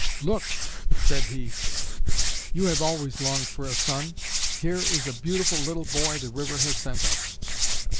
"Look," said he, "you have always longed for a son; here is a beautiful little boy the river has sent us."